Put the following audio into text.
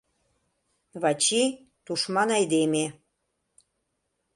— Вачи — тушман айдеме...